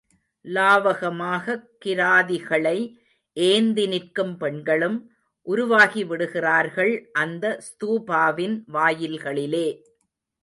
லாவகமாகக் கிராதிகளை ஏந்தி நிற்கும் பெண்களும் உருவாகிவிடுகிறார்கள் அந்த ஸ்தூபாவின் வாயில்களிலே.